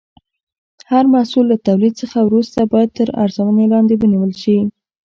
هر محصول له تولید څخه وروسته باید تر ارزونې لاندې ونیول شي.